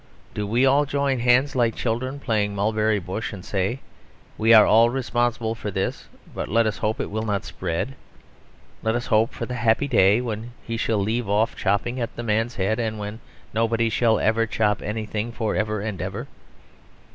Do we all join hands, like children playing Mulberry Bush, and say "We are all responsible for this; but let us hope it will not spread. Let us hope for the happy day when he shall leave off chopping at the man's head; and when nobody shall ever chop anything for ever and ever."